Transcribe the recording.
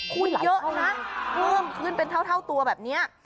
ขึ้นเยอะนะขึ้นเป็นเท่าตัวแบบนี้